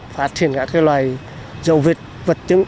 phát hiện các loại dầu vết vật chứng